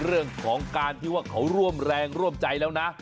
เรื่องของการที่ว่าเขาร่วมแรงร่วมใจแล้วนะ